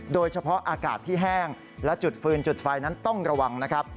โดยเฉพาะอากาศที่แห้งและจุดฟืนจุดไฟนั้นต้องระวังนะครับ